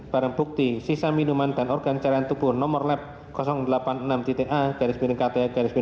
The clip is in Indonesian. bareng bukti sisa minuman dan organ carian tubuh nomor lab delapan puluh enam a kt dua ribu satu